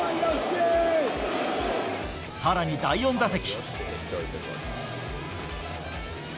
さらに第４打席。